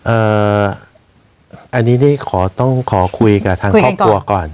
อันนี้ได้ขอต้องขอคุยกับทางครอบครัวก่อน